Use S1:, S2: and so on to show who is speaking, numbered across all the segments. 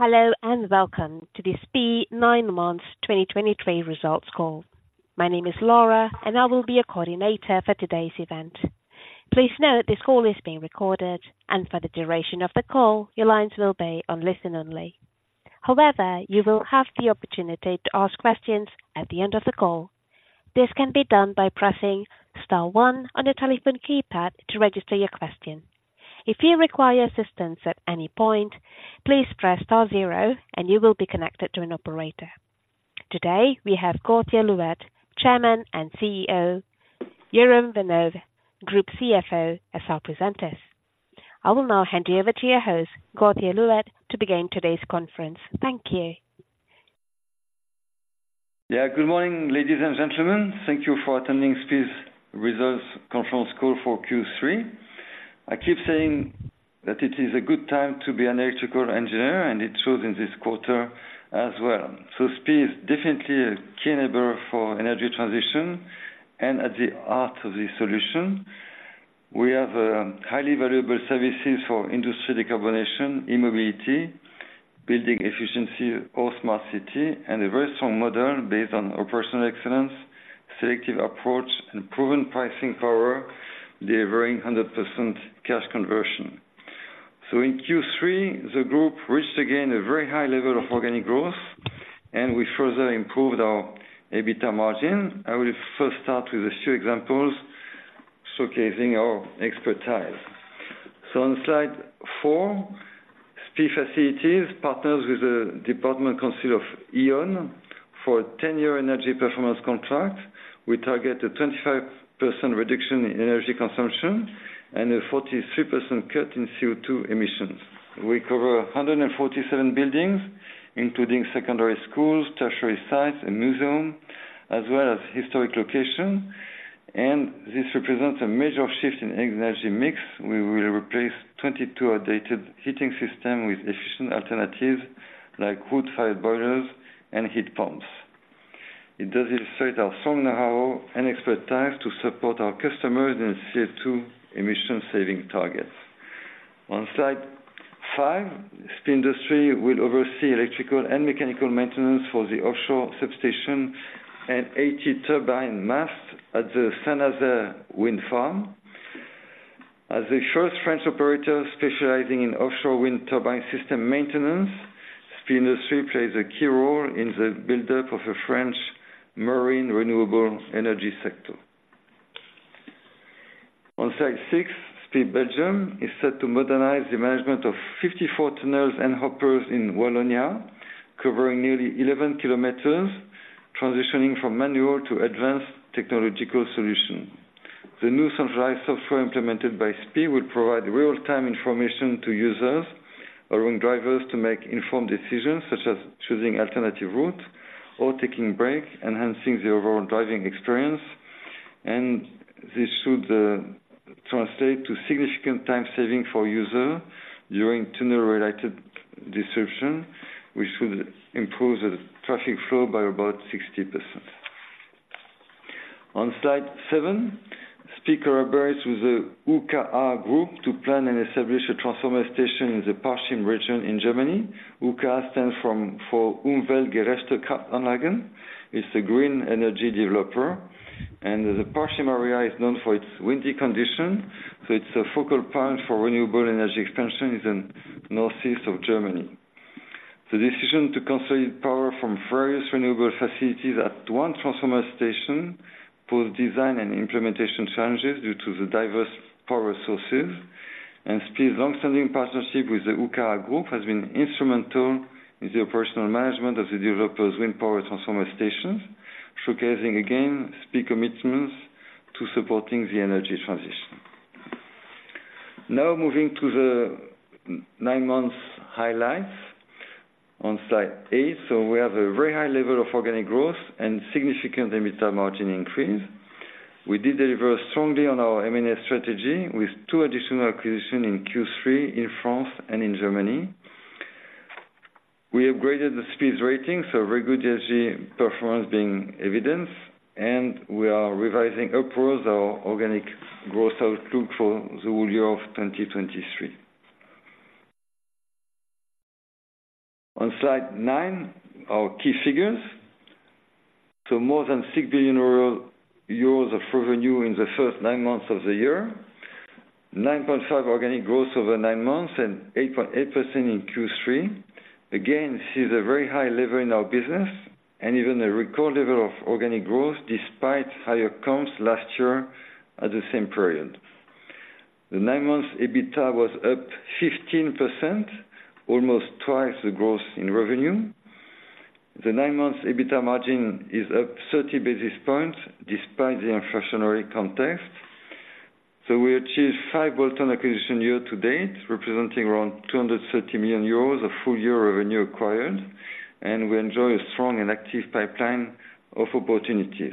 S1: Hello, and welcome to the SPIE nine months 2023 results call. My name is Laura, and I will be your coordinator for today's event. Please note, this call is being recorded, and for the duration of the call, your lines will be on listen-only. However, you will have the opportunity to ask questions at the end of the call. This can be done by pressing star one on your telephone keypad to register your question. If you require assistance at any point, please press star zero and you will be connected to an operator. Today, we have Gauthier Louette, Chairman and CEO, Jérôme Vanhove, Group CFO, as our presenters. I will now hand you over to your host, Gauthier Louette, to begin today's conference. Thank you.
S2: Yeah, good morning, ladies and gentlemen. Thank you for attending SPIE's results conference call for Q3. I keep saying that it is a good time to be an electrical engineer, and it shows in this quarter as well. So SPIE is definitely a key enabler for energy transition, and at the heart of the solution. We have highly valuable services for industry decarbonization, e-mobility, building efficiency, or Smart City, and a very strong model based on operational excellence, selective approach, and proven pricing power, delivering 100% cash conversion. So in Q3, the group reached, again, a very high level of organic growth, and we further improved our EBITDA margin. I will first start with a few examples showcasing our expertise. So on slide four, SPIE Facilities partners with the Department Council of Yonne for a 10-year energy performance contract. We target a 25% reduction in energy consumption and a 43% cut in CO2 emissions. We cover 147 buildings, including secondary schools, tertiary sites, a museum, as well as historic locations, and this represents a major shift in energy mix. We will replace 22 outdated heating systems with efficient alternatives like wood-fired boilers and heat pumps. It does illustrate our strong know-how and expertise to support our customers in CO2 emission saving targets. On slide five, SPIE Industrie will oversee electrical and mechanical maintenance for the offshore substation and 80 turbine masts at the Saint-Nazaire Wind Farm. As the first French operator specializing in offshore wind turbine system maintenance, SPIE Industrie plays a key role in the buildup of the French marine renewable energy sector. On slide six, SPIE Belgium is set to modernize the management of 54 tunnels and hoppers in Wallonia, covering nearly 11 kilometers, transitioning from manual to advanced technological solution. The new centralized software implemented by SPIE will provide real-time information to users, allowing drivers to make informed decisions, such as choosing alternative route or taking breaks, enhancing the overall driving experience. This should translate to significant time saving for user during tunnel-related disruption, which should improve the traffic flow by about 60%. On slide seven, SPIE collaborates with the UKA Group to plan and establish a transformer station in the Parchim region in Germany. UKA stands for Umweltgerechte Kraftanlagen. It's a green energy developer, and the Parchim area is known for its windy condition, so it's a focal point for renewable energy expansion in the northeast of Germany. The decision to consolidate power from various renewable facilities at one transformer station pose design and implementation challenges due to the diverse power sources. SPIE's long-standing partnership with the UKA Group has been instrumental in the operational management of the developer's wind power transformer stations, showcasing again SPIE commitments to supporting the energy transition. Now moving to the nine-month highlights on slide eight. So we have a very high level of organic growth and significant EBITDA margin increase. We did deliver strongly on our M&A strategy, with two additional acquisition in Q3 in France and in Germany. We upgraded SPIE's rating, so very good ESG performance being evidenced, and we are revising upwards our organic growth outlook for the whole year of 2023. On slide nine, our key figures. So more than 6 billion euros of revenue in the first nine months of the year. 9.5 organic growth over nine months, and 8.8% in Q3. Again, this is a very high level in our business and even a record level of organic growth, despite higher comps last year at the same period. The nine months EBITDA was up 15%, almost twice the growth in revenue. The nine months EBITDA margin is up 30 basis points despite the inflationary context. So we achieved five bolt-on acquisition year to date, representing around 230 million euros of full year revenue acquired, and we enjoy a strong and active pipeline of opportunities.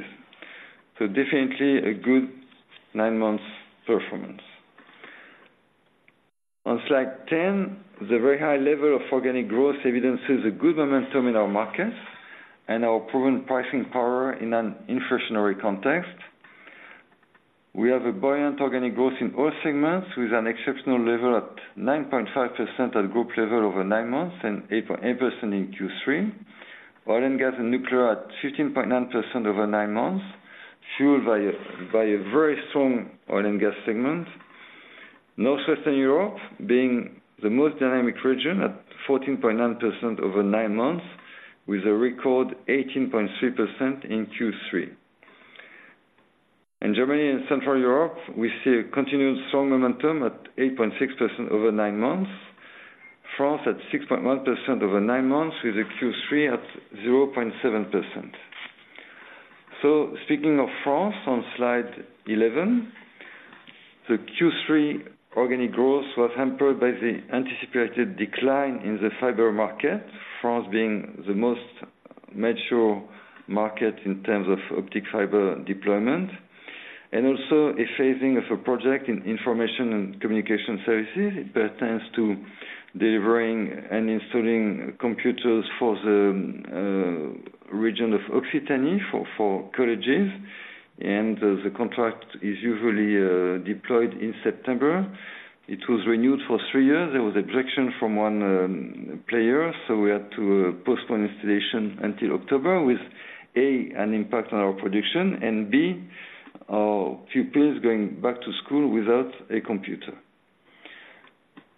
S2: So definitely a good nine months performance. On slide 10, the very high level of organic growth evidences a good momentum in our markets and our proven pricing power in an inflationary context.... We have a buoyant organic growth in all segments, with an exceptional level at 9.5% at group level over nine months, and 8.8% in Q3. Oil and gas and nuclear at 15.9% over nine months, fueled by a very strong oil and gas segment. Northwestern Europe being the most dynamic region at 14.9% over nine months, with a record 18.3% in Q3. In Germany and Central Europe, we see a continued strong momentum at 8.6% over nine months. France at 6.1% over nine months, with a Q3 at 0.7%. So speaking of France, on Slide 11, the Q3 organic growth was hampered by the anticipated decline in the fiber market, France being the most mature market in terms of optic fiber deployment, and also a phasing of a project in information and communication services. It pertains to delivering and installing computers for the region of Occitanie for colleges, and the contract is usually deployed in September. It was renewed for three years. There was objection from one player, so we had to postpone installation until October with, A, an impact on our production, and B, our few peers going back to school without a computer.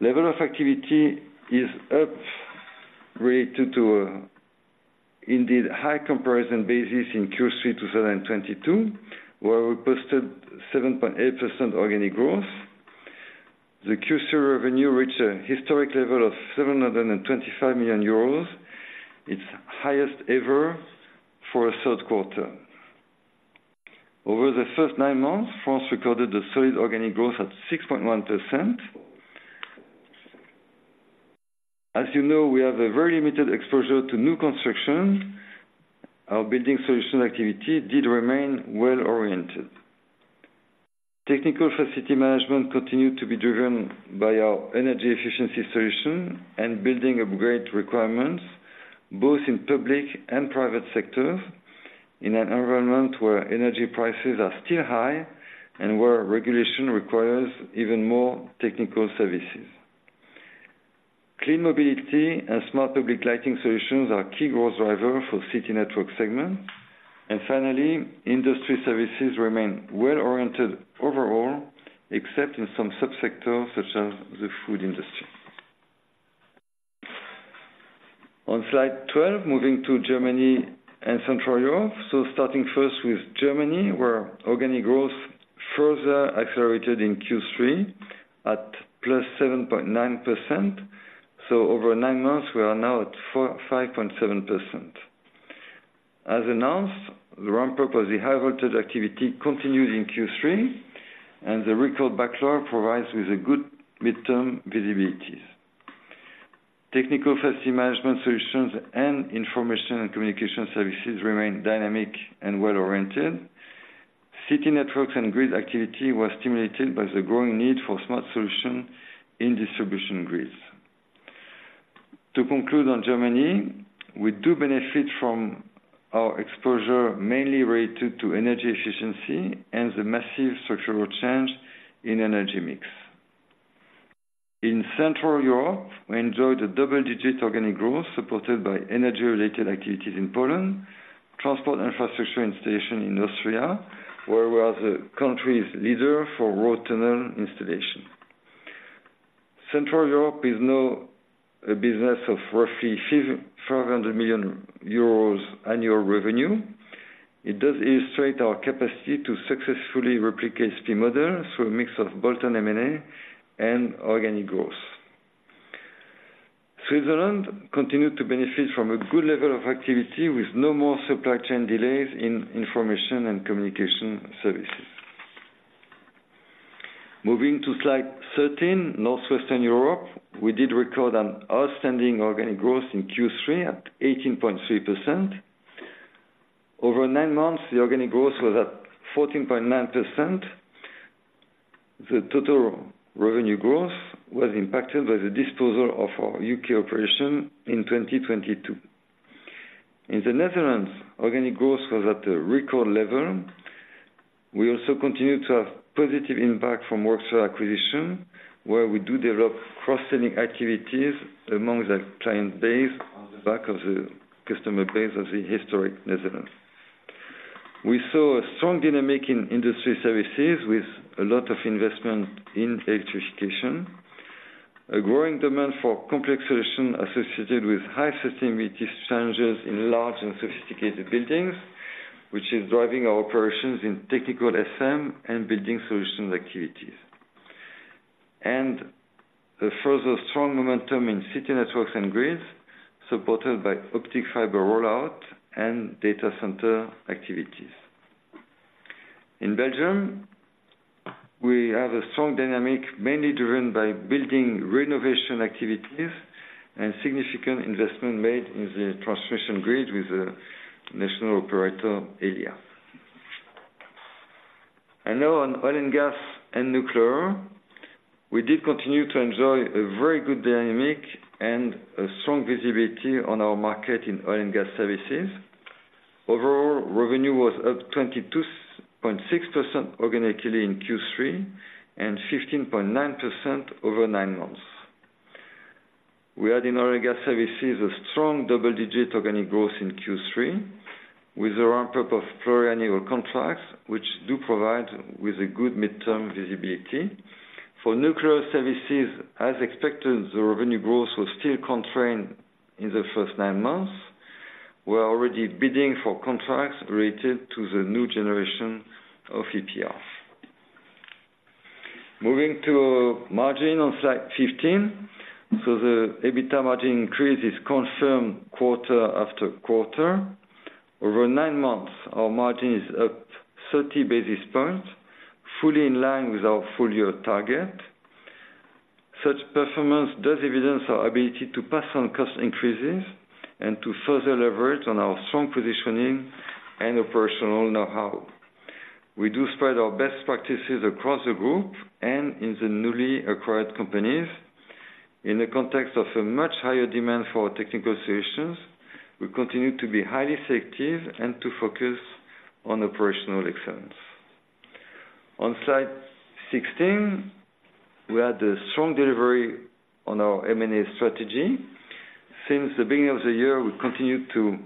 S2: Level of activity is up related to, indeed, high comparison basis in Q3, 2022, where we posted 7.8% organic growth. The Q3 revenue reached a historic level of 725 million euros, its highest ever for a third quarter. Over the first nine months, France recorded a solid organic growth at 6.1%. As you know, we have a very limited exposure to new construction. Our building solution activity did remain well-oriented. Technical facility management continued to be driven by our energy efficiency solution and building upgrade requirements, both in public and private sectors, in an environment where energy prices are still high and where regulation requires even more technical services. Clean mobility and smart public lighting solutions are key growth driver for city network segment. And finally, industry services remain well-oriented overall, except in some sub-sectors such as the food industry. On Slide 12, moving to Germany and Central Europe. So starting first with Germany, where organic growth further accelerated in Q3 at +7.9%. So over nine months, we are now at 4.5%. As announced, the ramp up of the high voltage activity continued in Q3, and the record backlog provides with a good midterm visibilities. Technical Facility Management solutions and information and communication services remained dynamic and well-oriented. City networks and grid activity was stimulated by the growing need for smart solution in distribution grids. To conclude on Germany, we do benefit from our exposure, mainly related to energy efficiency and the massive structural change in energy mix. In Central Europe, we enjoyed a double-digit organic growth supported by energy-related activities in Poland, transport infrastructure installation in Austria, where we are the country's leader for road tunnel installation. Central Europe is now a business of roughly 500 million euros annual revenue. It does illustrate our capacity to successfully replicate speed model through a mix of bolt-on M&A and organic growth. Switzerland continued to benefit from a good level of activity, with no more supply chain delays in information and communication services. Moving to slide 13, Northwestern Europe. We did record an outstanding organic growth in Q3 at 18.3%. Over nine months, the organic growth was at 14.9%. The total revenue growth was impacted by the disposal of our U.K. operation in 2022. In the Netherlands, organic growth was at a record level. We also continued to have positive impact from Worksphere acquisition, where we do develop cross-selling activities among the client base on the back of the customer base of the historic Netherlands. We saw a strong dynamic in industry services with a lot of investment in electrification. A growing demand for complex solutions associated with high sustainability challenges in large and sophisticated buildings, which is driving our operations in technical FM and building solutions activities. A further strong momentum in city networks and grids, supported by optic fiber rollout and data center activities. In Belgium, we have a strong dynamic, mainly driven by building renovation activities and significant investment made in the transmission grid with the M&A Now on oil and gas and nuclear. We did continue to enjoy a very good dynamic and a strong visibility on our market in oil and gas services. Overall, revenue was up 22.6% organically in Q3, and 15.9% over nine months. We had in oil and gas services, a strong double-digit organic growth in Q3, with the ramp-up of pluriannual contracts, which do provide with a good midterm visibility. For nuclear services, as expected, the revenue growth was still constrained in the first nine months. We're already bidding for contracts related to the new generation of EPR. Moving to margin on slide 15. So the EBITDA margin increase is confirmed quarter after quarter. Over nine months, our margin is up 30 basis points, fully in line with our full-year target. Such performance does evidence our ability to pass on cost increases, and to further leverage on our strong positioning and operational know-how. We do spread our best practices across the group and in the newly acquired companies. In the context of a much higher demand for our technical solutions, we continue to be highly selective and to focus on operational excellence. On slide 16, we had a strong delivery on our M&A strategy. Since the beginning of the year, we've continued to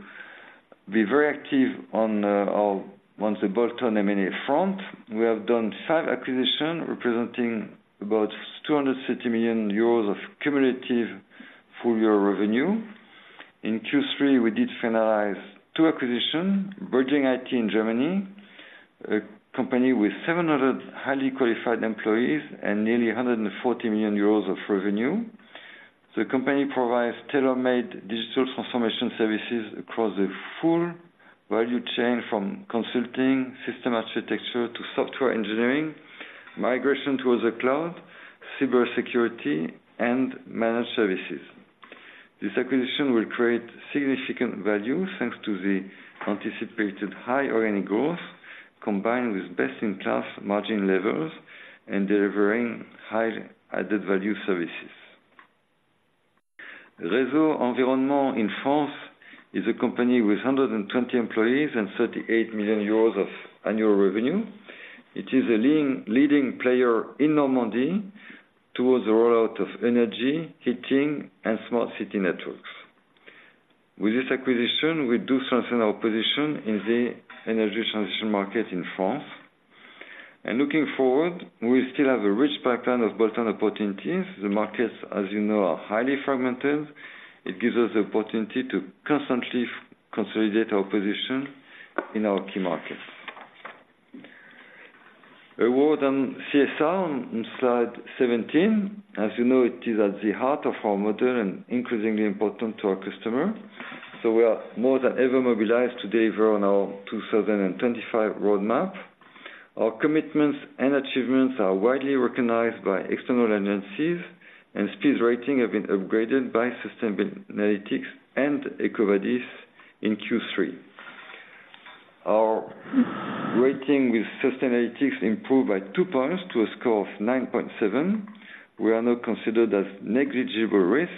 S2: be very active on our on the bolt-on M&A front. We have done five acquisitions, representing about 230 million euros of cumulative full-year revenue. In Q3, we did finalize two acquisitions, BridgingIT in Germany, a company with 700 highly qualified employees and nearly 140 million euros of revenue. The company provides tailor-made digital transformation services across the full value chain, from consulting, system architecture, to software engineering, migration towards the cloud, cybersecurity, and managed services. This acquisition will create significant value, thanks to the anticipated high organic growth, combined with best-in-class margin levels and delivering high added-value services. Réseaux Environnement in France is a company with 120 employees and 38 million euros of annual revenue. It is a leading player in Normandy towards the rollout of energy, heating, and smart city networks. With this acquisition, we do strengthen our position in the energy transition market in France. Looking forward, we still have a rich pipeline of build opportunities. The markets, as you know, are highly fragmented. It gives us the opportunity to constantly consolidate our position in our key markets. A word on CSR on slide 17. As you know, it is at the heart of our model and increasingly important to our customer. So we are more than ever mobilized to deliver on our 2025 roadmap. Our commitments and achievements are widely recognized by external agencies, and SPIE's rating has been upgraded by Sustainalytics and EcoVadis in Q3. Our rating with Sustainalytics improved by two points to a score of 9.7. We are now considered as negligible risk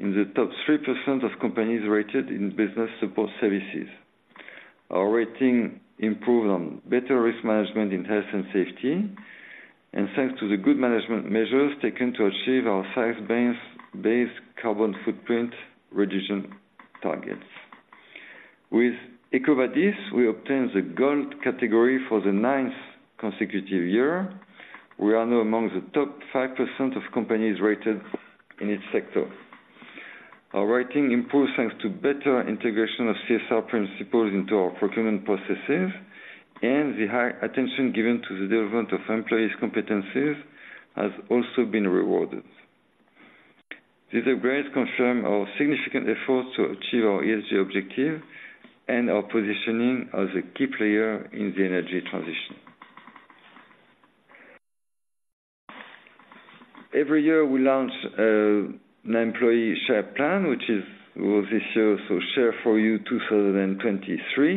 S2: in the top 3% of companies rated in business support services. Our rating improved on better risk management in health and safety, and thanks to the good management measures taken to achieve our science-based based carbon footprint reduction targets. With EcoVadis, we obtained the gold category for the ninth consecutive year. We are now among the top 5% of companies rated in each sector. Our rating improved, thanks to better integration of CSR principles into our procurement processes, and the high attention given to the development of employees' competencies has also been rewarded. These upgrades confirm our significant efforts to achieve our ESG objective and our positioning as a key player in the energy transition. Every year, we launch an employee share plan, which is, was this year, so Share for You 2023.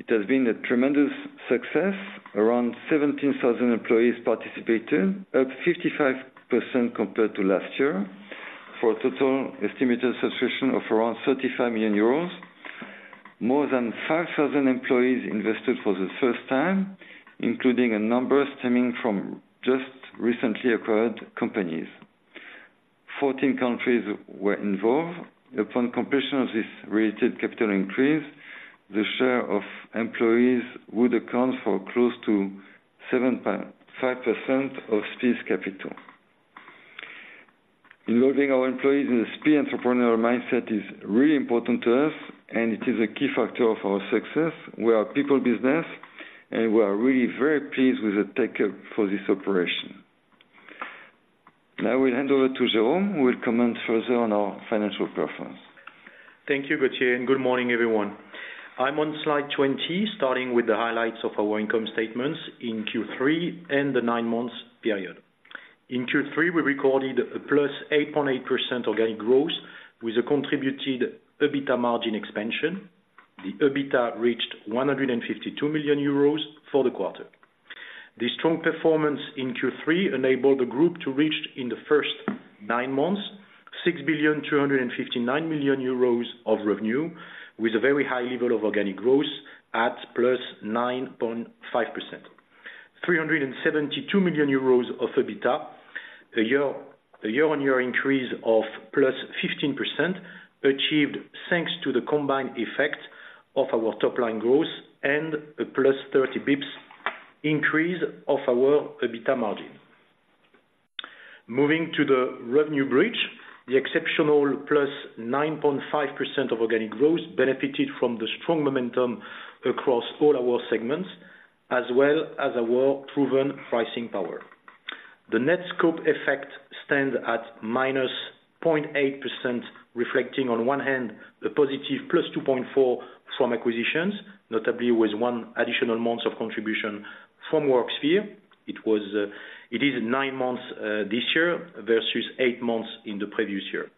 S2: It has been a tremendous success. Around 17,000 employees participated, up 55% compared to last year, for a total estimated subscription of around 35 million euros. More than 5,000 employees invested for the first time, including a number stemming from just recently acquired companies. 14 countries were involved. Upon completion of this related capital increase, the share of employees would account for close to 7.5% of SPIE's capital. Loading our employees in the SPIE entrepreneurial mindset is really important to us, and it is a key factor of our success. We are a people business, and we are really very pleased with the take-up for this operation. Now, I will hand over to Jérôme, who will comment further on our financial performance.
S3: Thank you, Gauthier, and good morning, everyone. I'm on slide 20, starting with the highlights of our income statements in Q3 and the nine months period. In Q3, we recorded a +8.8% organic growth, with a contributed EBITDA margin expansion. The EBITDA reached 152 million euros for the quarter. The strong performance in Q3 enabled the group to reach, in the first nine months, 6,259 million euros of revenue, with a very high level of organic growth at +9.5%. 372 million euros of EBITDA, a year-on-year increase of +15%, achieved thanks to the combined effect of our top line growth and a +30 BPs increase of our EBITDA margin. Moving to the revenue bridge, the exceptional +9.5% of organic growth benefited from the strong momentum across all our segments, as well as our proven pricing power. The net scope effect stands at -0.8%, reflecting on one hand, the positive +2.4% from acquisitions, notably with one additional months of contribution from Worksphere. It was, it is nine months, this year versus eight months in the previous year,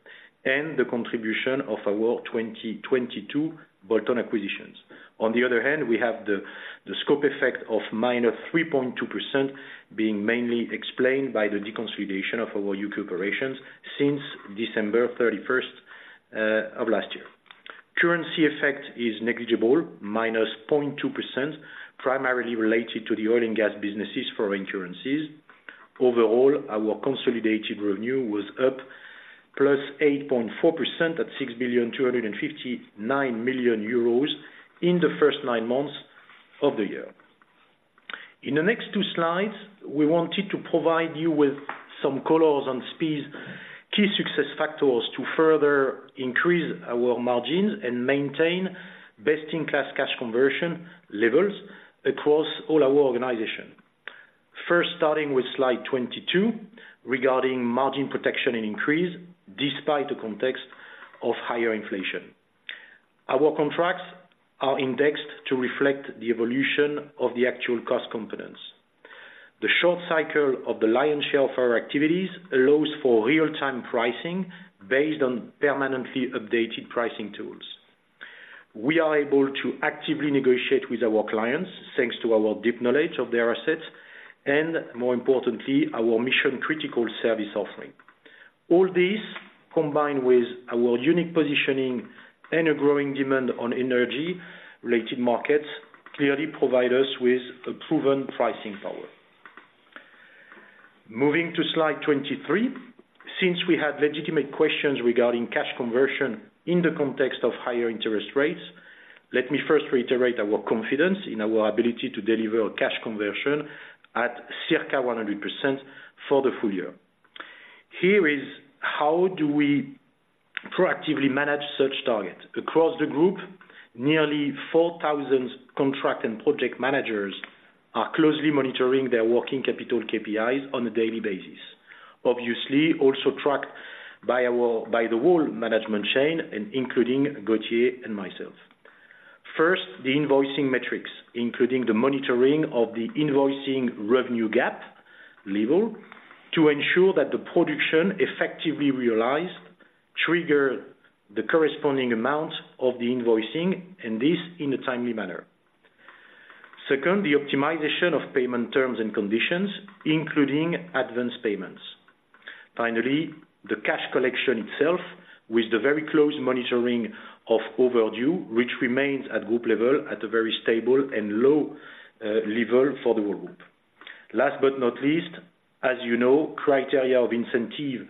S3: and the contribution of our 2022 Bolt-on acquisitions. On the other hand, we have the scope effect of -3.2% being mainly explained by the deconsolidation of our U.K. operations since December 31st, of last year. Currency effect is negligible, -0.2%, primarily related to the oil and gas businesses foreign currencies. Overall, our consolidated revenue was up +8.4%, at 6,259 million euros in the first nine months of the year. In the next two slides, we wanted to provide you with some colors on SPIE's key success factors to further increase our margins and maintain best-in-class cash conversion levels across all our organization. First, starting with slide 22, regarding margin protection and increase despite the context of higher inflation. Our contracts are indexed to reflect the evolution of the actual cost components. The short cycle of the lion's share of our activities allows for real-time pricing based on permanently updated pricing tools. We are able to actively negotiate with our clients, thanks to our deep knowledge of their assets, and more importantly, our mission-critical service offering. All this, combined with our unique positioning and a growing demand on energy-related markets, clearly provide us with a proven pricing power. Moving to slide 23. Since we had legitimate questions regarding cash conversion in the context of higher interest rates, let me first reiterate our confidence in our ability to deliver cash conversion at circa 100% for the full year. Here is how do we proactively manage such targets. Across the group, nearly 4,000 contract and project managers are closely monitoring their working capital KPIs on a daily basis. Obviously, also tracked by the whole management chain and including Gauthier and myself. First, the invoicing metrics, including the monitoring of the invoicing revenue gap level, to ensure that the production effectively realized trigger the corresponding amount of the invoicing, and this in a timely manner. Second, the optimization of payment terms and conditions, including advance payments. Finally, the cash collection itself, with the very close monitoring of overdue, which remains at group level at a very stable and low level for the whole group. Last but not least, as you know, criteria of incentive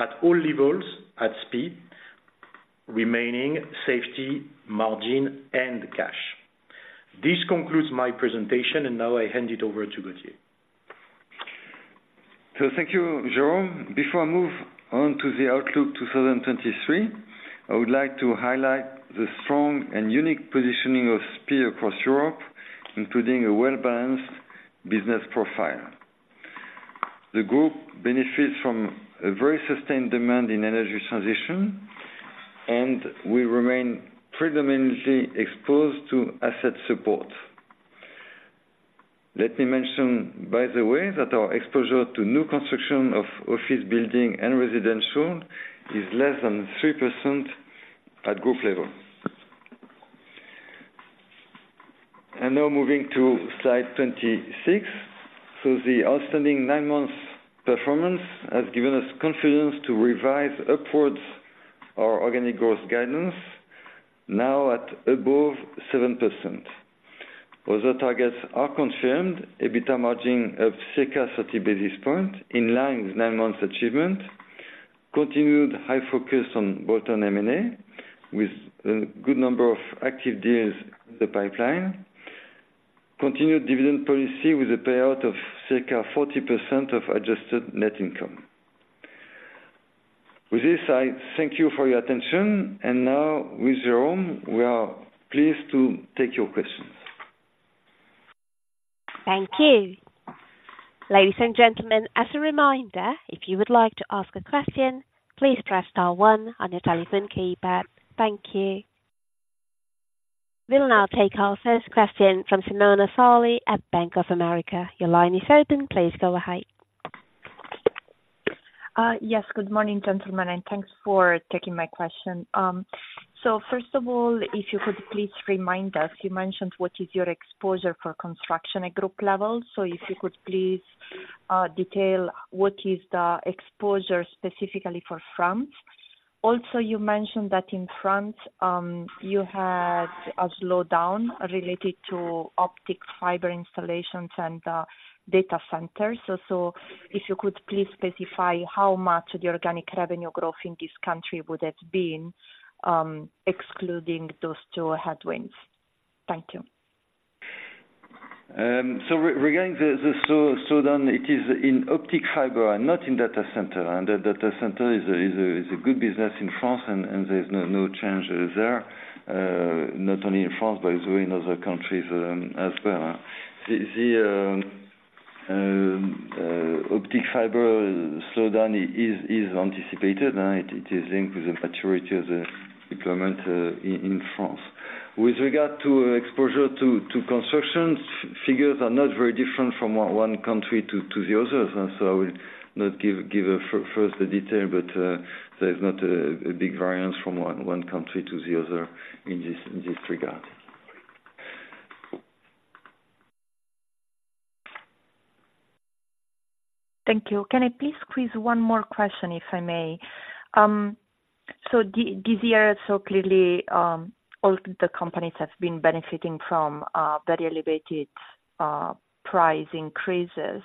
S3: at all levels at speed, remaining safety, margin, and cash. This concludes my presentation, and now I hand it over to Gauthier.
S2: So thank you, Jerome. Before I move on to the outlook 2023, I would like to highlight the strong and unique positioning of SPIE across Europe, including a well-balanced business profile. The group benefits from a very sustained demand in energy transition, and we remain predominantly exposed to asset support. Let me mention, by the way, that our exposure to new construction of office building and residential is less than 3% at group level. Now moving to slide 26. So the outstanding nine-month performance has given us confidence to revise upwards our organic growth guidance, now at above 7%. Other targets are confirmed, EBITDA margin of circa 30 basis points, in line with nine months achievement. Continued high focus on Bolt-on M&A, with a good number of active deals in the pipeline. Continued dividend policy with a payout of circa 40% of adjusted net income. With this, I thank you for your attention. Now, with Jérôme, we are pleased to take your questions.
S1: Thank you. Ladies and gentlemen, as a reminder, if you would like to ask a question, please press star one on your telephone keypad. Thank you. We'll now take our first question from Simona Sarli at Bank of America. Your line is open. Please go ahead.
S4: ...Yes, good morning, gentlemen, and thanks for taking my question. So first of all, if you could please remind us, you mentioned what is your exposure for construction at group level. So if you could please detail what is the exposure specifically for France. Also, you mentioned that in France, you had a slowdown related to optic fiber installations and data centers. So, if you could please specify how much the organic revenue growth in this country would have been, excluding those two headwinds. Thank you.
S2: Regarding the slowdown, it is in optic fiber and not in data center. And the data center is a good business in France, and there's no change there. Not only in France, but also in other countries, as well. The optic fiber slowdown is anticipated, and it is linked with the maturity of the government in France. With regard to exposure to construction, figures are not very different from one country to the others, and so I will not give first the detail. But, there's not a big variance from one country to the other in this regard.
S4: Thank you. Can I please squeeze one more question, if I may? So this year, so clearly, all the companies have been benefiting from very elevated price increases.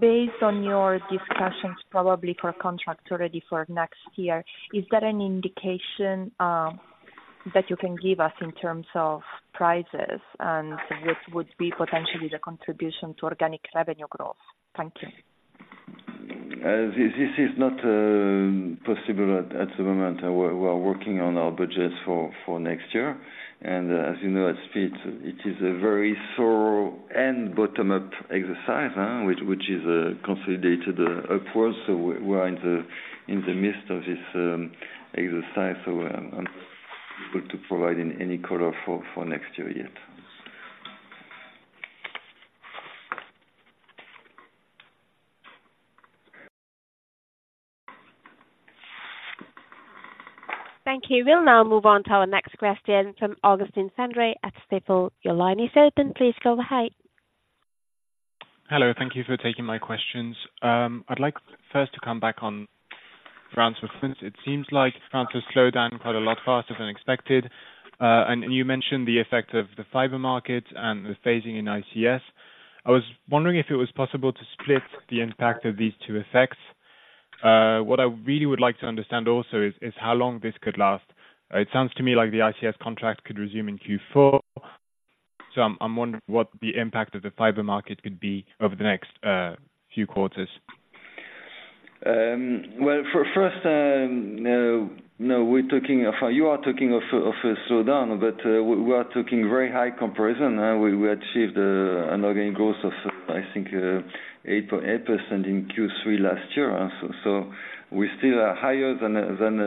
S4: Based on your discussions, probably for contract already for next year, is there any indication that you can give us in terms of prices, and what would be potentially the contribution to organic revenue growth? Thank you.
S2: This is not possible at the moment. We're working on our budgets for next year, and as you know, at SPIE, it is a very thorough and bottom-up exercise, which is consolidated upwards. So we are in the midst of this exercise, so I'm not able to provide any color for next year yet.
S1: Thank you. We'll now move on to our next question from Augustin Cendre at Stifel. Your line is open. Please go ahead.
S5: Hello, thank you for taking my questions. I'd like first to come back on France with France. It seems like France has slowed down quite a lot faster than expected. And you mentioned the effect of the fiber market and the phasing in ICS. I was wondering if it was possible to split the impact of these two effects. What I really would like to understand also is how long this could last. It sounds to me like the ICS contract could resume in Q4. So I'm wondering what the impact of the fiber market could be over the next few quarters.
S2: Well, first, no, we're talking of, you are talking of a slowdown, but we are talking very high comparison. We achieved an organic growth of, I think, 8.8% in Q3 last year. So we still are higher than a than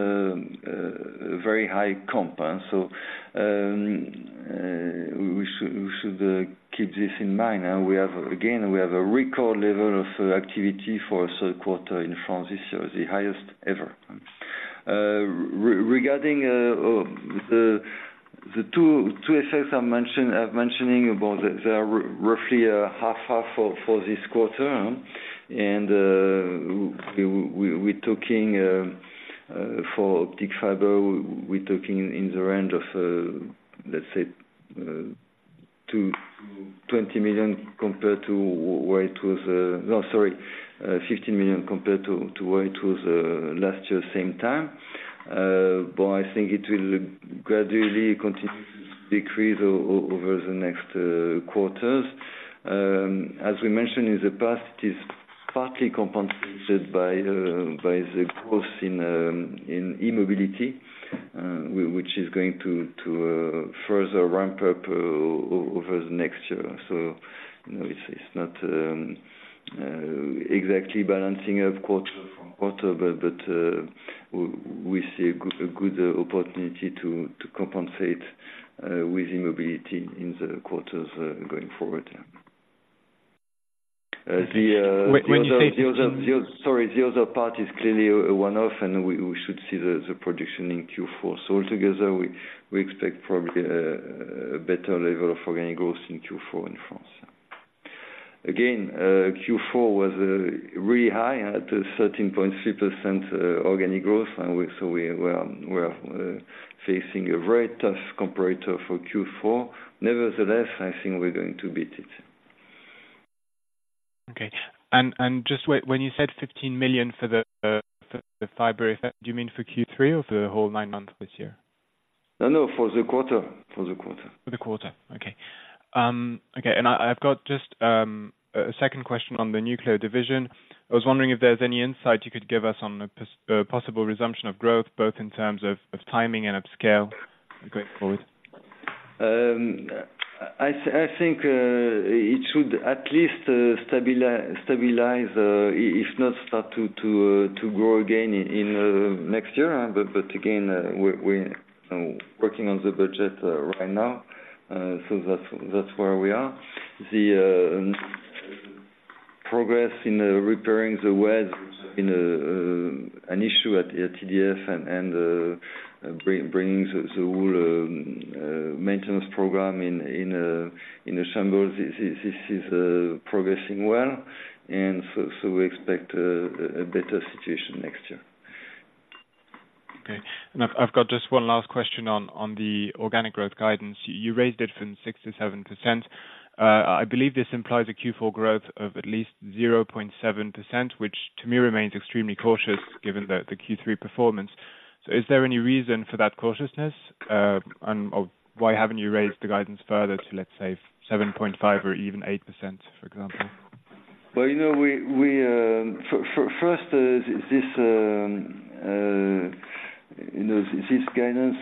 S2: a very high comp, huh? So we should keep this in mind. And we have, again, a record level of activity for a third quarter in France, this year, the highest ever. Regarding the two assets I've mentioned, I've mentioning about the, they are roughly half for this quarter. We're talking for deep fiber, we're talking in the range of, let's say, to 20 million compared to where it was... No, sorry, 15 million compared to where it was last year, same time. But I think it will gradually continue to decrease over the next quarters. As we mentioned in the past, it is partly compensated by the growth in E-mobility, which is going to further ramp up over the next year. So, you know, it's not exactly balancing of quarter from quarter, but we see a good opportunity to compensate with E-mobility in the quarters going forward. The
S5: When do you think-
S2: Sorry, the other part is clearly a one-off, and we should see the production in Q4. So altogether, we expect probably a better level of organic growth in Q4 in France. Again, Q4 was really high at 13.3% organic growth, and so we are facing a very tough comparator for Q4. Nevertheless, I think we're going to beat it.
S5: Okay. And just when you said 15 million for the fiber effect, do you mean for Q3 or the whole nine months this year?
S2: No, no, for the quarter. For the quarter.
S5: For the quarter. Okay. Okay, and I've got just a second question on the nuclear division. I was wondering if there's any insight you could give us on the possible resumption of growth, both in terms of timing and of scale going forward?
S2: I think it should at least stabilize, if not start to grow again in next year. But again, we're working on the budget right now. So that's where we are. The progress in repairing the wells in an issue at EDF and bringing the whole maintenance program in the shambles. This is progressing well, and so we expect a better situation next year.
S5: Okay. I've got just one last question on the organic growth guidance. You raised it from 6%-7%. I believe this implies a Q4 growth of at least 0.7%, which to me remains extremely cautious given the Q3 performance. So is there any reason for that cautiousness? And or why haven't you raised the guidance further to, let's say, 7.5% or even 8%, for example?
S2: Well, you know, we first this guidance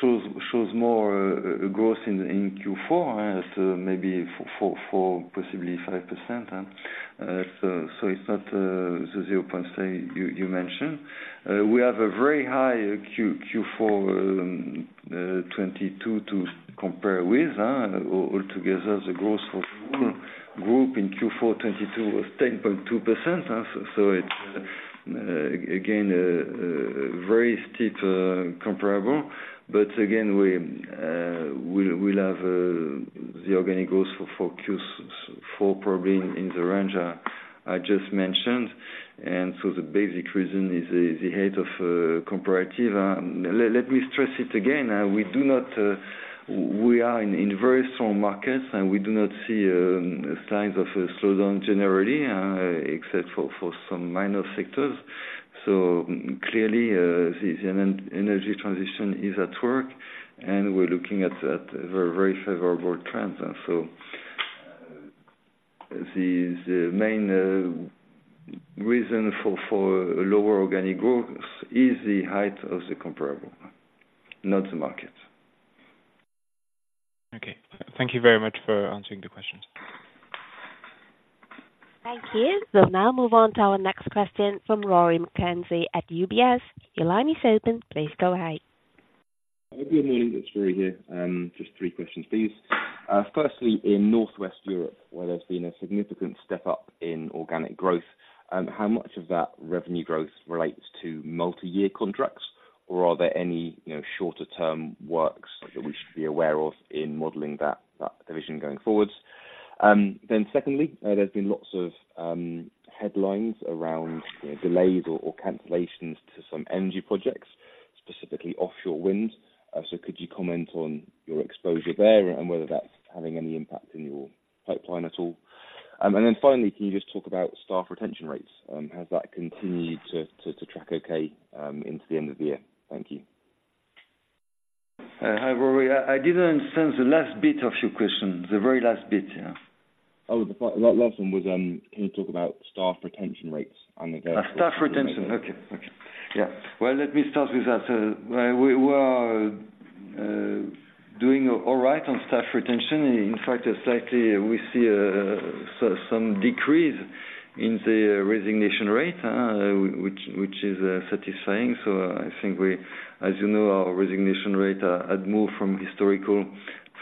S2: shows more growth in Q4 as to maybe 4%-5%, huh? So it's not the zero point, say, you mentioned. We have a very high Q4 2022 to compare with. Altogether the growth for group in Q4 2022 was 10.2%. So it's again very steep comparable. But again, we'll have the organic growth for Q4 probably in the range I just mentioned. And so the basic reason is the head of comparative. Let me stress it again, we are in very strong markets, and we do not see signs of a slowdown generally, except for some minor sectors. So clearly, the energy transition is at work, and we're looking at very favorable trends. And so, the main reason for lower organic growth is the height of the comparable, not the market.
S5: Okay. Thank you very much for answering the questions.
S1: Thank you. We'll now move on to our next question from Rory McKenzie at UBS. Your line is open. Please go ahead.
S6: Good morning, it's Rory here. Just three questions, please. Firstly, in Northwest Europe, where there's been a significant step up in organic growth, how much of that revenue growth relates to multi-year contracts? Or are there any, you know, shorter term works that we should be aware of in modeling that, that division going forwards? Then secondly, there's been lots of headlines around, you know, delays or, or cancellations to some energy projects, specifically offshore winds. So could you comment on your exposure there and whether that's having any impact in your pipeline at all? And then finally, can you just talk about staff retention rates? Has that continued to, to, to track okay, into the end of the year? Thank you.
S2: Hi, Rory. I didn't understand the last bit of your question, the very last bit, yeah.
S6: Oh, the last one was, can you talk about staff retention rates on the-
S2: Staff retention. Okay. Okay. Yeah. Well, let me start with that. Well, we were doing all right on staff retention. In fact, slightly, we see some decrease in the resignation rate, which is satisfying. So I think we, as you know, our resignation rate had moved from historical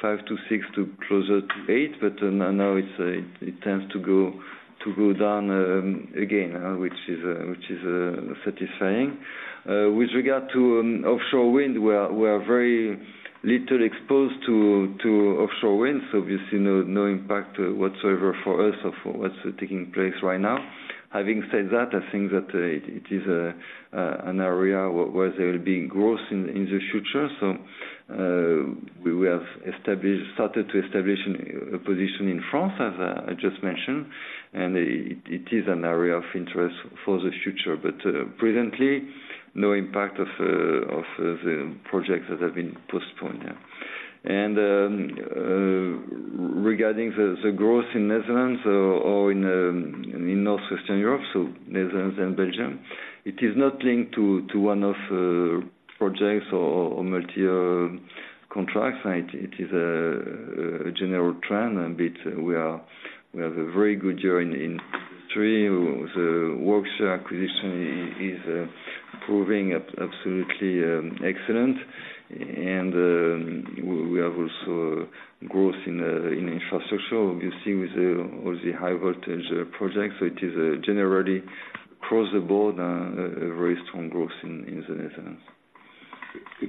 S2: five-six to closer to eight, but now it tends to go down again, which is satisfying. With regard to offshore wind, we are very little exposed to offshore wind, so obviously no impact whatsoever for us or for what's taking place right now. Having said that, I think that it is an area where there will be growth in the future. So, we have established, started to establish a position in France, as I just mentioned, and it is an area of interest for the future. But, presently, no impact of the projects that have been postponed, yeah. And, regarding the growth in Netherlands or in northwestern Europe, so Netherlands and Belgium, it is not linked to one of projects or multi-year contracts. It is a general trend, but we have a very good year in three. The Worksphere acquisition is proving absolutely excellent. And, we have also growth in infrastructure, obviously, with all the high voltage projects. So it is generally across the board a very strong growth in the Netherlands.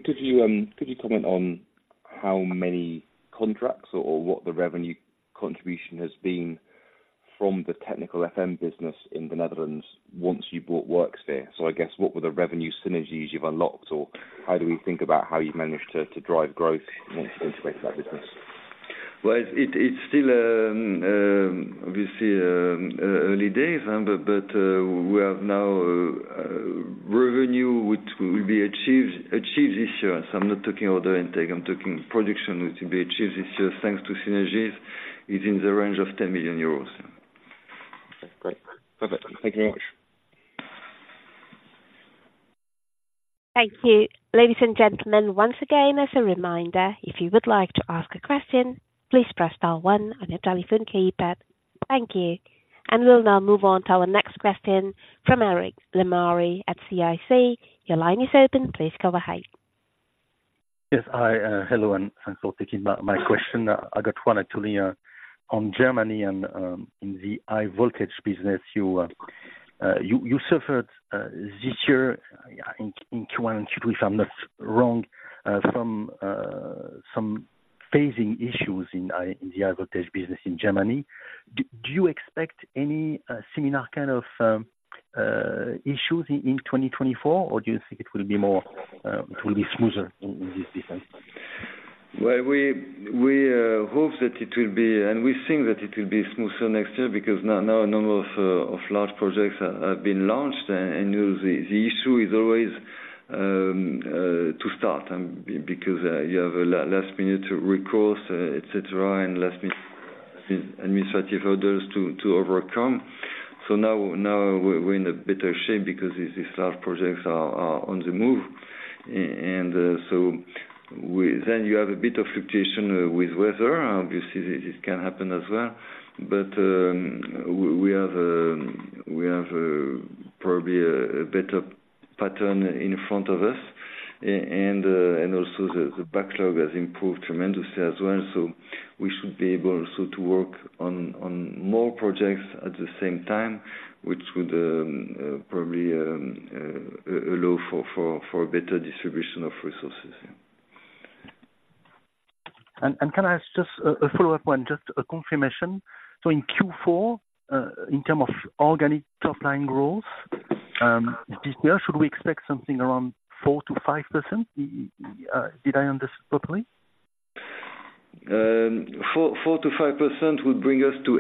S6: Could you, could you comment on how many contracts or what the revenue contribution has been from the technical FM business in the Netherlands once you bought Worksphere? So I guess, what were the revenue synergies you've unlocked, or how do we think about how you managed to drive growth into that business?
S2: Well, it's still early days, but we have now revenue which will be achieved this year. So I'm not talking order intake, I'm talking production, which will be achieved this year, thanks to synergies, is in the range of 10 million euros.
S6: Great. Perfect. Thank you.
S1: Thank you. Ladies and gentlemen, once again, as a reminder, if you would like to ask a question, please press star one on your telephone keypad. Thank you. And we'll now move on to our next question from Eric Lemarié at CIC. Your line is open. Please go ahead....
S7: Yes. Hi, hello, and thanks for taking my question. I got one actually, on Germany and in the high voltage business. You suffered this year, yeah, in Q1, if I'm not wrong, from some phasing issues in the high voltage business in Germany. Do you expect any similar kind of issues in 2024? Or do you think it will be more, it will be smoother in this season?
S2: Well, we hope that it will be, and we think that it will be smoother next year, because now a number of large projects have been launched, and you know, the issue is always to start, because you have a last minute recourse, et cetera, and last minute administrative orders to overcome. So now we're in a better shape because these large projects are on the move. And then you have a bit of fluctuation with weather. Obviously, this can happen as well, but we have probably a better pattern in front of us. And also, the backlog has improved tremendously as well, so we should be able also to work on more projects at the same time, which would probably allow for better distribution of resources.
S7: Can I ask just a follow-up one, just a confirmation? So in Q4, in terms of organic top line growth, should we expect something around 4%-5%? Did I understand properly?
S2: 4%-5% would bring us to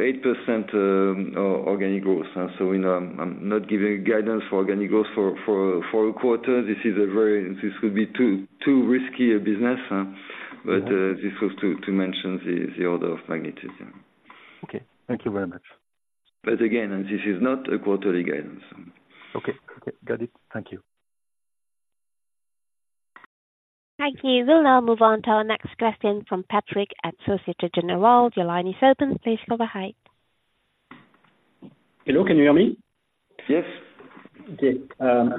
S2: 8%, organic growth. So, you know, I'm not giving guidance for organic growth for a quarter. This is a very... This would be too risky a business, but this was to mention the order of magnitude.
S7: Okay, thank you very much.
S2: But again, this is not a quarterly guidance.
S7: Okay. Okay, got it. Thank you.
S1: Thank you. We'll now move on to our next question from Patrick at Société Générale. Your line is open. Please go ahead.
S8: Hello, can you hear me?
S2: Yes.
S8: Okay.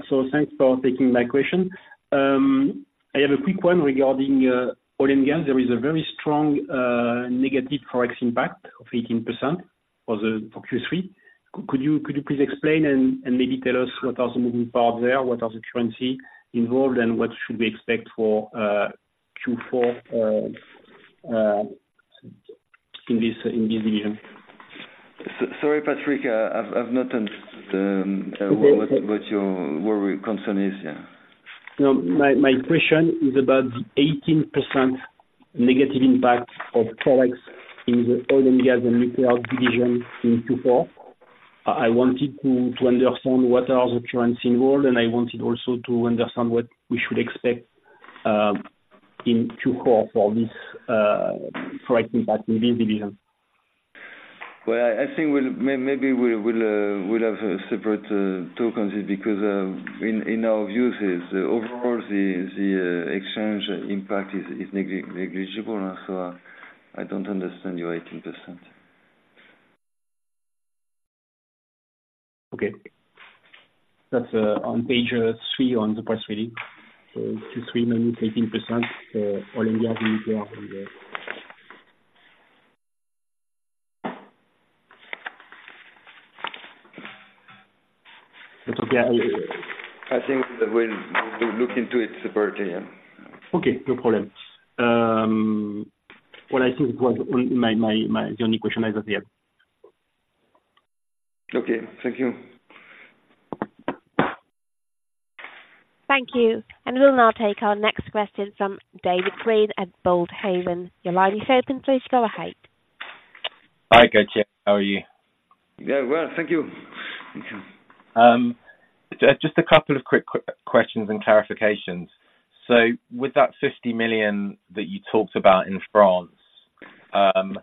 S8: So thanks for taking my question. I have a quick one regarding oil and gas. There is a very strong negative Forex impact of 18% for Q3. Could you please explain and maybe tell us what are the moving parts there? What are the currency involved, and what should we expect for Q4 in this division?
S2: Sorry, Patrick, I've not understood what your worry concern is here.
S8: No, my question is about the 18% negative impact of products in the oil and gas and nuclear division in Q4. I wanted to understand what are the currency involved, and I wanted also to understand what we should expect, in Q4 for this, price impact in this division.
S2: Well, I think we'll maybe we'll have separate two concerns, because in our view overall the exchange impact is negligible. And so I don't understand your 18%.
S8: Okay. That's on page three on the price reading. So Q3, minus 18%, oil and gas in here. That's okay.
S2: I think that we'll look into it separately, yeah.
S8: Okay, no problem. Well, I think was on my only question I have here.
S2: Okay, thank you.
S1: Thank you, and we'll now take our next question from David Green at Boldhaven. Your line is open. Please go ahead.
S9: Hi, good day. How are you?
S2: Very well, thank you.
S9: Just a couple of quick questions and clarifications. So with that 50 million that you talked about in France, am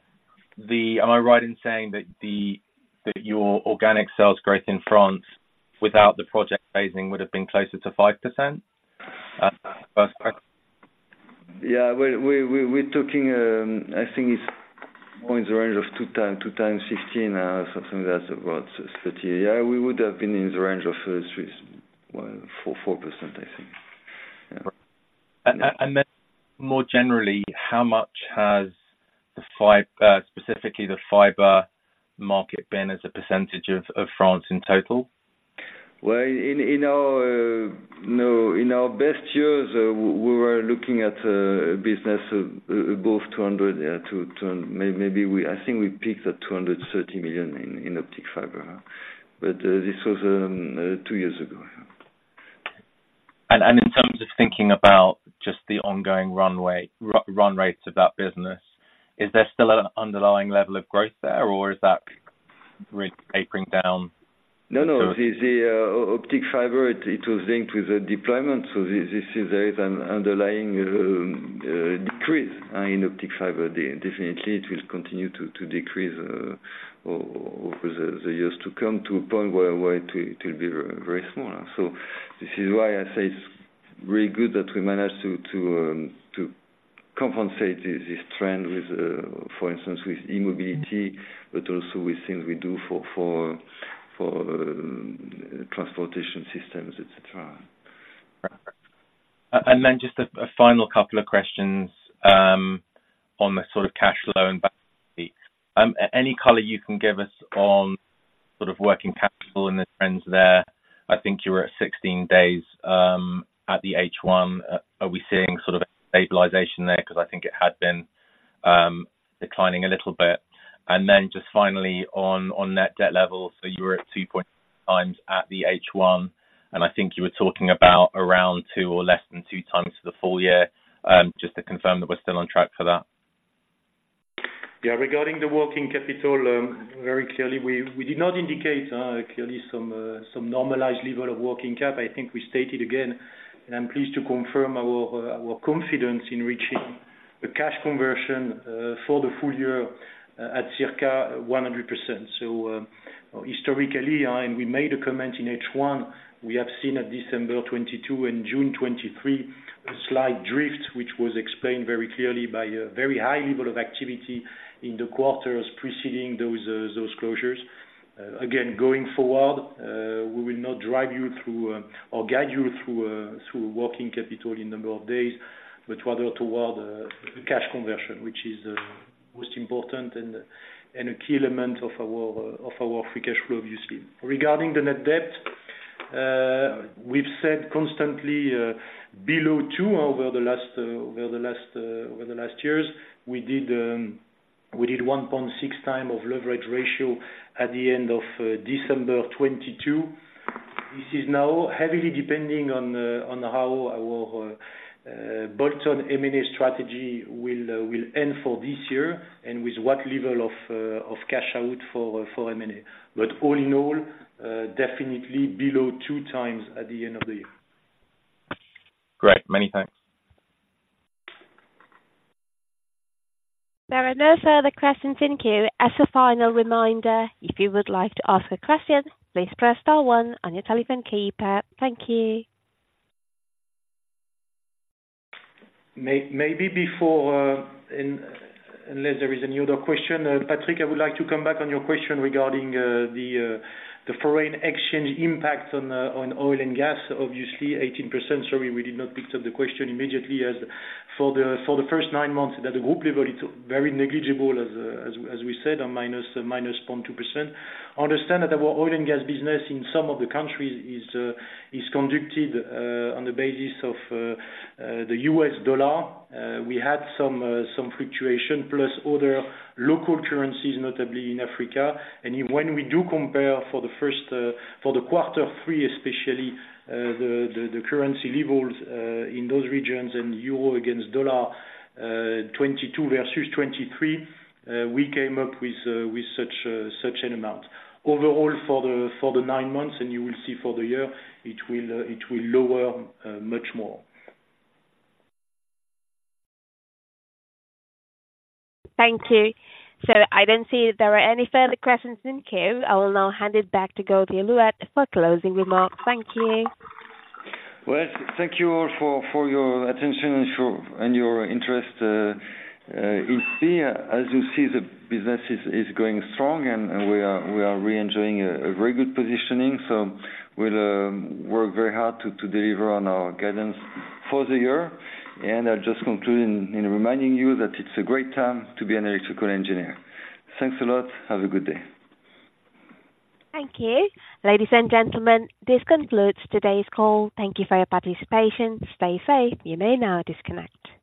S9: I right in saying that your organic sales growth in France without the project phasing would have been closer to 5%? First part.
S2: Yeah, we're talking. I think it's more in the range of 2x 15, something that's about 30. Yeah, we would have been in the range of three, well, 4%, I think.
S9: And then more generally, how much has the fiber, specifically the fiber market, been as a percentage of France in total?
S2: Well, in our best years, we were looking at business of above 200 million, EUR 200... Maybe we, I think we peaked at 230 million in optic fiber. But, this was two years ago.
S9: In terms of thinking about just the ongoing runway, run rates of that business, is there still an underlying level of growth there, or is that really tapering down?
S2: No, no, the optic fiber, it, it was linked with the deployment. So this, this is an underlying decrease in optic fiber. Definitely, it will continue to decrease over the years to come, to a point where it will be very small. So this is why I say it's really good that we managed to, to-... compensate this trend with, for instance, with e-mobility, but also with things we do for transportation systems, et cetera.
S9: And then just a final couple of questions on the sort of cash flow and any color you can give us on sort of working capital and the trends there? I think you were at 16 days at the H1. Are we seeing sort of stabilization there? 'Cause I think it had been declining a little bit. And then just finally on net debt levels, so you were at 2x at the H1, and I think you were talking about around 2x or less than 2x for the full year. Just to confirm that we're still on track for that.
S3: Yeah, regarding the working capital, very clearly, we did not indicate clearly some normalized level of working cap. I think we stated again, and I'm pleased to confirm our confidence in reaching the cash conversion for the full year at circa 100%. So, historically, and we made a comment in H1, we have seen at December 2022 and June 2023, a slight drift, which was explained very clearly by a very high level of activity in the quarters preceding those closures. Again, going forward, we will not drive you through or guide you through working capital in number of days, but rather toward the cash conversion, which is most important and a key element of our free cash flow, obviously. Regarding the net debt, we've said constantly below two over the last over the last over the last years. We did, we did 1.6x of leverage ratio at the end of December 2022. This is now heavily depending on, on how our Bolt-on M&A strategy will, will end for this year and with what level of, of cash out for, for M&A. But all in all, definitely below 2x at the end of the year.
S9: Great. Many thanks.
S1: There are no further questions in queue. As a final reminder, if you would like to ask a question, please press star one on your telephone keypad. Thank you.
S3: Maybe before, unless there is any other question, Patrick, I would like to come back on your question regarding the foreign exchange impact on oil and gas. Obviously 18%. Sorry, we did not pick up the question immediately. As for the first nine months at the group level, it's very negligible as we said, on -0.2%. Understand that our oil and gas business in some of the countries is conducted on the basis of the US dollar. We had some fluctuation, plus other local currencies, notably in Africa. When we do compare for the quarter three, especially the currency levels in those regions and euro against dollar, 2022 versus 2023, we came up with such an amount. Overall, for the nine months, and you will see for the year, it will lower much more.
S1: Thank you. So I don't see if there are any further questions in queue. I will now hand it back to Gauthier Louette for closing remarks. Thank you.
S2: Well, thank you all for your attention and for your interest in SPIE. As you see, the business is going strong, and we are re-enjoying a very good positioning. So we'll work very hard to deliver on our guidance for the year. And I'll just conclude in reminding you that it's a great time to be an electrical engineer. Thanks a lot. Have a good day.
S1: Thank you. Ladies and gentlemen, this concludes today's call. Thank you for your participation. Stay safe. You may now disconnect.